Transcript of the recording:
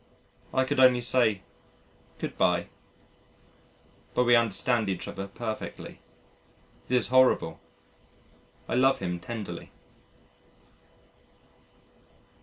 I could only say "Goodbye," but we understand each other perfectly.... It is horrible. I love him tenderly.